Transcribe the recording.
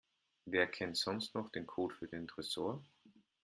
Wer kennt sonst noch den Code für den Tresor?